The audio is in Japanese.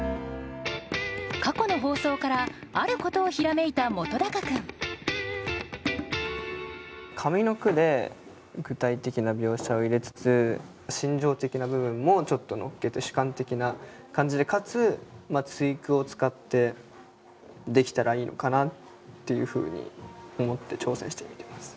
過去の放送からあることをひらめいた本君上の句で具体的な描写を入れつつ心情的な部分もちょっと乗っけて主観的な感じでかつ対句を使ってできたらいいのかなっていうふうに思って挑戦してみてます。